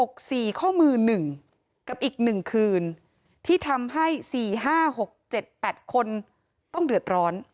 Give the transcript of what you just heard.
อกสี่ข้อมือหนึ่งกับอีกหนึ่งคืนที่ทำให้๔๕๖๗๘คนต้องเดือดร้อน